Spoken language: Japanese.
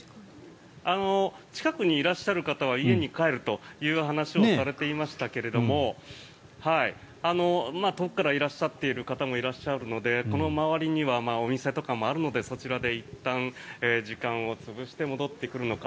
近くにいらっしゃる方は家に帰るという話をされていましたけれども遠くからいらっしゃっている方もいらっしゃるのでこの周りにはお店とかもあるのでそちらでいったん時間を潰して戻ってくるのか。